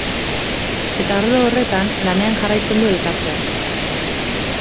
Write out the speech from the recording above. Eta arlo horretan lanean jarraitzen du elkarteak.